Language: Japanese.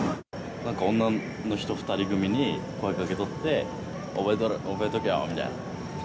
なんか、女の人２人組に声をかけとって、覚えとけよみたいな。